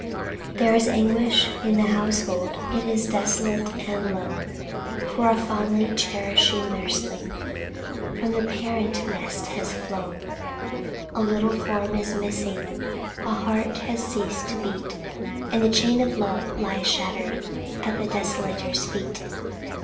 There is anguish in the household, It is desolate and lone, For a fondly cherished nursling From the parent nest has flown; A little form is missing; A heart has ceased to beat; And the chain of love lies shattered At the desolator's feet.